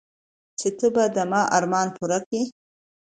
چې ته به د ما ارمان پوره كيې.